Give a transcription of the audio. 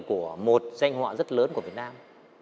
của một danh họa rất lớn của việt nam